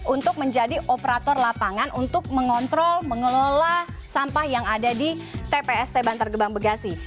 untuk menjadi operator lapangan untuk mengontrol mengelola sampah yang ada di tpst bantar gebang bekasi